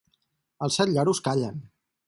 Els set lloros callen.